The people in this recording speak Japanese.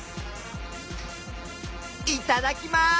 いただきます！